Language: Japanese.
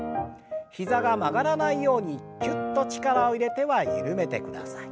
膝が曲がらないようにきゅっと力を入れては緩めてください。